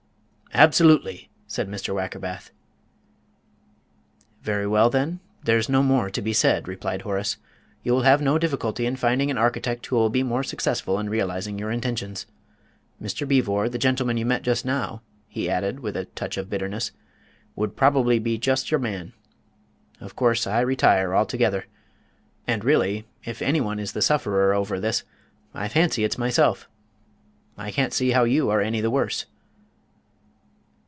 "Absolutely!" said Mr. Wackerbath. "Very well, then; there's no more to be said," replied Horace. "You will have no difficulty in finding an architect who will be more successful in realising your intentions. Mr. Beevor, the gentleman you met just now," he added, with a touch of bitterness, "would probably be just your man. Of course I retire altogether. And really, if any one is the sufferer over this, I fancy it's myself. I can't see how you are any the worse."